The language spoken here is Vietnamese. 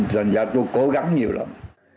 dành ra tôi cố gắng nhiều lắm